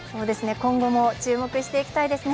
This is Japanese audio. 今後も注目していきたいですね。